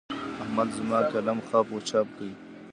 احمد زما قلم خپ و چپ کړ.